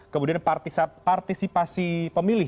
kemudian partisipasi pemilih